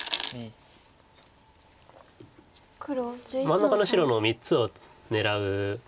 真ん中の白の３つを狙う。